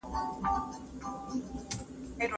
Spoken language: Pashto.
د لویې جرګي د امنیت مسولین چېرته ځای پر ځای وي؟